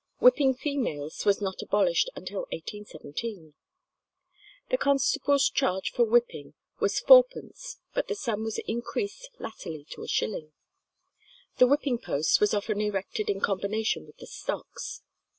Whipping females was not abolished till 1817. The constable's charge for whipping was fourpence, but the sum was increased latterly to a shilling. The whipping post was often erected in combination with the stocks.